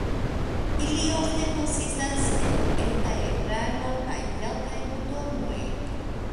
Ili ofte konsistas el eta ekrano kaj kelkaj butonoj.